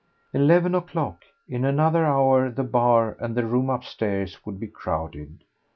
Eleven o'clock! In another hour the bar and the room upstairs would be crowded.